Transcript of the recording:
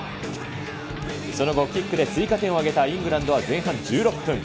その後、キックで追加点を挙げたイングランドは前半１６分。